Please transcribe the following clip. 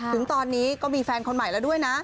ถึงตอนนี้ก็มีแฟนคนใหม่แล้วด้วยนะ